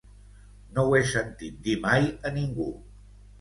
No ho he sentit dir mai a ningú.